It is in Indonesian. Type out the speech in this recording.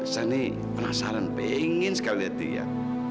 saya ini penasaran pengen sekali lihat dia